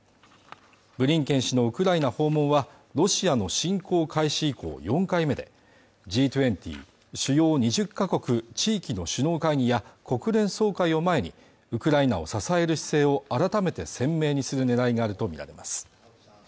ブリンケン氏のウクライナ訪問はロシアの侵攻開始以降４回目でＧ２０＝主要２０か国地域の首脳会議や国連総会を前にウクライナを支える姿勢を改めて鮮明にするねらいがあると見られます